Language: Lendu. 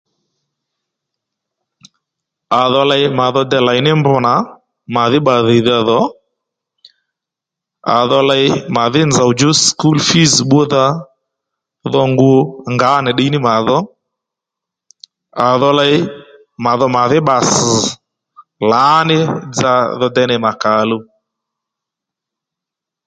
À dho ley mà dho dey lèy ní mb nà màdhí bba dhìydha dhò à dho ley màdhí nzòw djú sùkúl fǐz bbúdha dho ngu ngǎ nì ddiy ní màdho à dho ley mà dho màdhí bba ss̀ lǎní dza dho dey ney mà kà luw